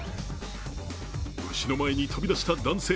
牛の前に飛び出した男性。